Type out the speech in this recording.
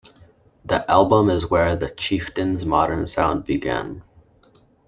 This album is where The Chieftains' modern sound began.